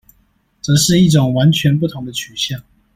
則是一種完全不同的取向